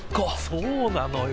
そうなのよ。